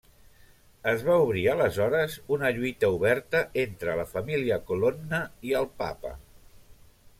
Es va obrir aleshores una lluita oberta entre la família Colonna i el papa.